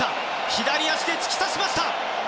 左足で突き刺しました！